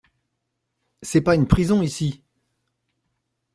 C’est pas une prison, ici